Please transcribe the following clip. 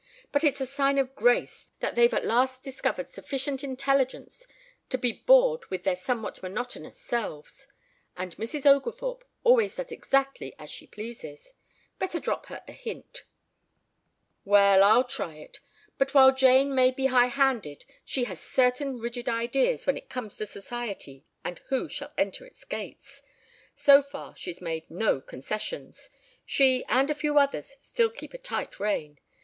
But it's a sign of grace that they've at last discovered sufficient intelligence to be bored with their somewhat monotonous selves. And Mrs. Oglethorpe always does exactly as she pleases. Better drop her a hint." "Well, I'll try it. But while Jane may be high handed, she has certain rigid ideas when it comes to Society and who shall enter its gates. So far she's made no concessions. She and a few others still keep a tight rein.